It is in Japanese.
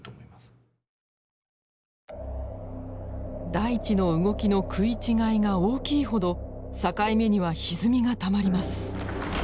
大地の動きの食い違いが大きいほど境目にはひずみがたまります。